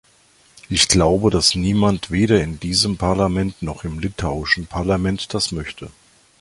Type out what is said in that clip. Ich glaube, dass niemand, weder in diesem Parlament noch im litauischen Parlament das möchte.